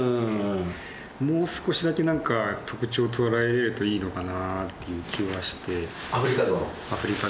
もう少しだけなんか特徴とらえられるといいのかなという気はして。